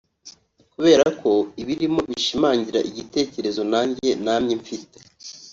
Kubera ko ibirimo bishimangira igitekerezo nanjye namye mfite